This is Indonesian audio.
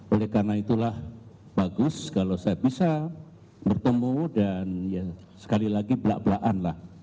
oleh karena itulah bagus kalau saya bisa bertemu dan sekali lagi belak belakanlah